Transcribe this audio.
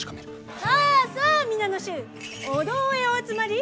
さあさあ皆の衆お堂へお集まり！